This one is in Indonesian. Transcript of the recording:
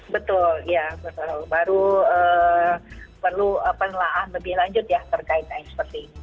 betul iya baru perlu penilaian lebih lanjut yang terkait lain seperti ini